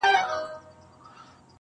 نه به په موړ سې نه به وتړې بارونه!.